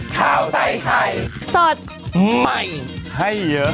ข้าวใส่ไข่สดใหม่ให้เยอะ